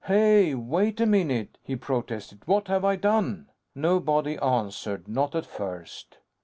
"Hey, wait a minute!" he protested. "What have I done?" Nobody answered. Not at first.